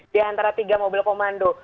di antara tiga mobil komando